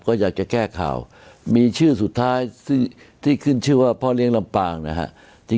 ก็อยากจะแก้ข่าวมีชื่อสุดท้ายที่ขึ้นชื่อว่าพ่อเลี้ยงลำปางนะฮะ